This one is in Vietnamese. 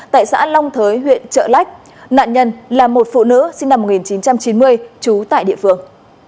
tại xã long thới huyện trợ lách nạn nhân là một phụ nữ sinh năm một nghìn chín trăm chín mươi trú tại địa phương